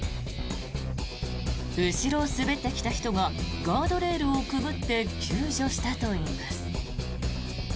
後ろを滑ってきた人がガードレールをくぐって救助したといいます。